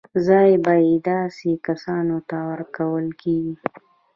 ځای به یې داسې کسانو ته ورکول کېږي.